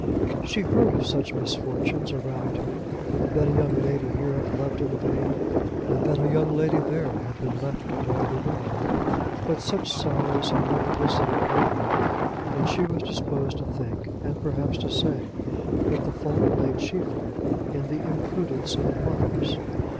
She heard of such misfortunes around her, that a young lady here had loved in vain, and that a young lady there had been left to wear the willow; but such sorrows had never visited her roof, and she was disposed to think, and perhaps to say, that the fault lay chiefly in the imprudence of mothers.